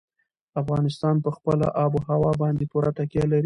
افغانستان په خپله آب وهوا باندې پوره تکیه لري.